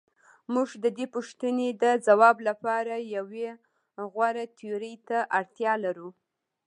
موږ د دې پوښتنې د ځواب لپاره یوې غوره تیورۍ ته اړتیا لرو.